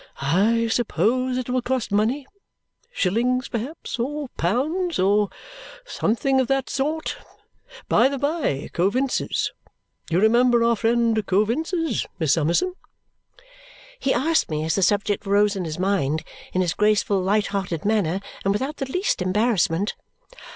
I suppose it will cost money? Shillings perhaps? Or pounds? Or something of that sort? By the by, Coavinses. You remember our friend Coavinses, Miss Summerson?" He asked me as the subject arose in his mind, in his graceful, light hearted manner and without the least embarrassment.